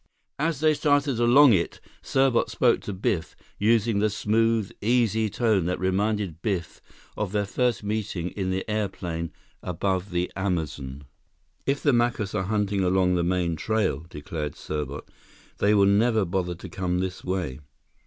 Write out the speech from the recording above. As they started along it, Serbot spoke to Biff, using the smooth, easy tone that reminded Biff of their first meeting in the airplane above the Amazon. "If the Macus are hunting along the main trail," declared Serbot, "they will never bother to come this way.